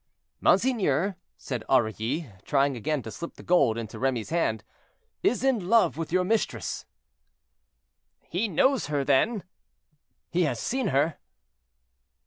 "Monseigneur," said Aurilly, trying again to slip the gold into Remy's hand, "is in love with your mistress." "He knows her, then?" "He has seen her."